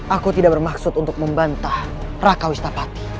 aku tidak bermaksud untuk membantah raka wistapati